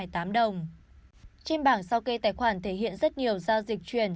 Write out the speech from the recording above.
trên bảng sao kê tài khoản thể hiện rất nhiều giao dịch chuyển